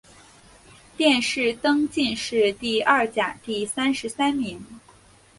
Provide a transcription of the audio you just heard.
殿试登进士第二甲第三十三名。